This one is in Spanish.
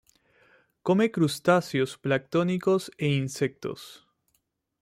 Come crustáceos planctónicos e insectos.